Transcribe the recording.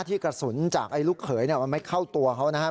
ที่กระสุนจากไอ้ลูกเขยมันไม่เข้าตัวเขานะครับ